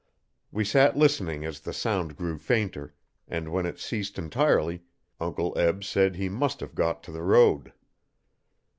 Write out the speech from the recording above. We sat listening as the sound grew fainter, and when it ceased entirely Uncle Eb said he must have got to the road.